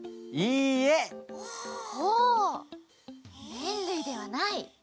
めんるいではない。